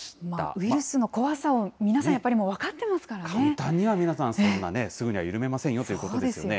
ウイルスの怖さを皆さん、簡単には皆さん、そんなね、すぐには緩めませんよということですよね。